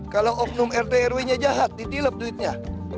kalau oknum rtrw nya jahat ditilep duitnya